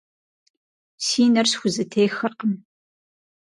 Си нэр схузэтехыркъым.